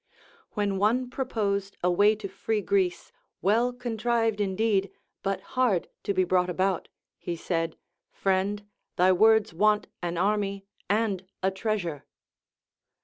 AVhen one proposed a way to free Greece, well contrived indeed but hard to be brought about, he said. Friend, thy words Avant an army and a treas ure.